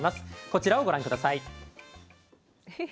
こちらをご覧下さい。